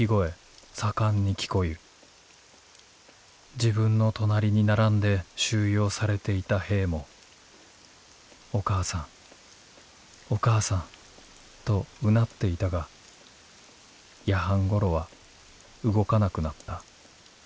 自分の隣に並んで収容されていた兵も『お母さんお母さん』とうなっていたが夜半ごろは動かなくなった。